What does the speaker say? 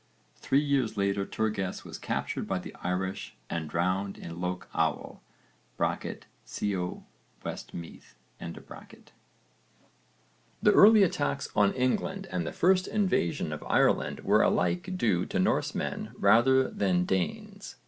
Three years later Turges was captured by the Irish and drowned in Lough Owel (co. West Meath). The early attacks on England and the first invasion of Ireland were alike due to Norsemen rather than Danes.